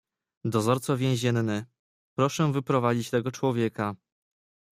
"Dozorco więzienny, proszę wyprowadzić tego człowieka."